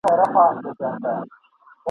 تدبیر تر تباهۍ مخکي !.